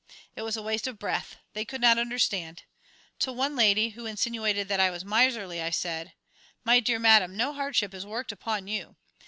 It was a waste of breath. They could not understand. To one lady, who insinuated that I was miserly, I said: "My dear madam, no hardship is worked upon you.